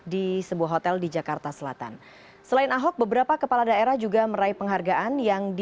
di sebuah hotel di jakarta selatan selain ahok beberapa kepala daerah juga meraih penghargaan yang di